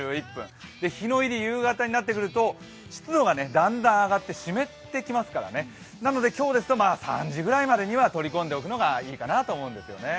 日の入り、夕方になってくると湿度がだんだん上がって、湿ってきますから、なので今日ですと３時くらいまでには取り込んでおくのがいいかなと思いますね。